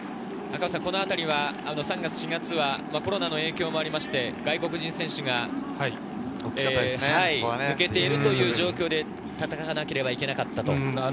３月４月はコロナの影響もあって外国人選手が抜けているという状況で戦わなければいけなかった。